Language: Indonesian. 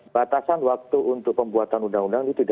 batasan waktu untuk pembuatan undang undang itu